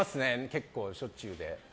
結構しょっちゅう。